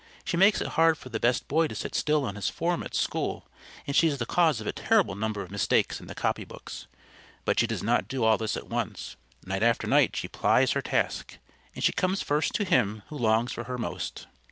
She makes it hard for the best boy to sit still on his form at school, and she is the cause of a terrible number of mistakes in the copy books. But she does not do all this at once. Night after night she plies her task, and she comes first to him who longs for her most.